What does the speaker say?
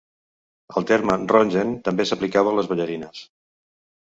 El terme "ronggeng" també s'aplicava a les ballarines.